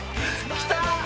きた！